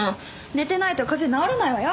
寝てないと風邪治らないわよ。